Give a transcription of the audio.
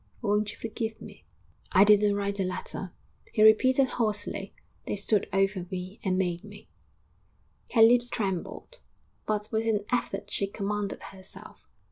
Won't you forgive me?' 'I didn't write the letter,' he repeated hoarsely; 'they stood over me and made me.' Her lips trembled, but with an effort she commanded herself.